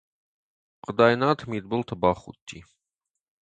Хъуыдайнат мидбылты бахудти.